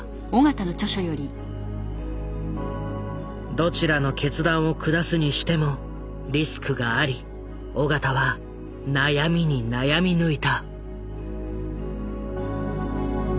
どちらの決断を下すにしてもリスクがあり緒方は悩みに悩み抜いた。